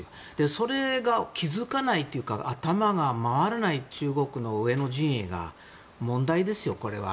それが気付かないというか頭が回らない中国の上の陣営が問題ですよ、これは。